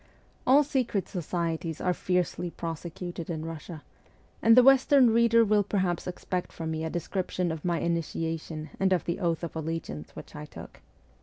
All secret societies are fiercely prosecuted in Eussia, and the western reader will perhaps expect from me a description of my initiation and of the oath of allegiance which I took.